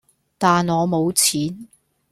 但我冇錢